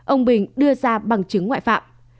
ông bình đưa ra bằng chứng ngoại phạm